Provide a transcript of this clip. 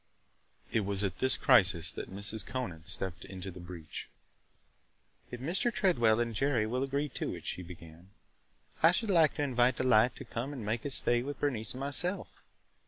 It was at this crisis that Mrs. Conant stepped into the breach. "If Mr. Tredwell and Jerry will agree to it," she began, "I should like to invite Delight to come and make a stay with Bernice and myself.